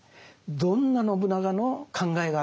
どんな信長の考えがあったのか